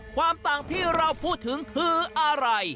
ความต่างที่เราพูดถึงคืออะไร